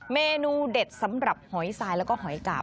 เมนูเด็ดสำหรับหอยทรายแล้วก็หอยกาบ